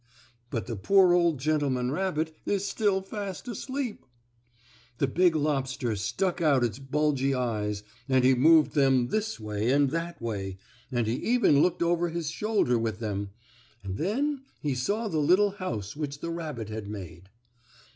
But the poor old gentleman rabbit is still fast asleep. The big lobster stuck out his bulgy eyes, and he moved them this way and that way, and he even looked over his shoulder with them, and then he saw the little house which the rabbit had made.